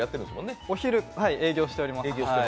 お昼、営業しております。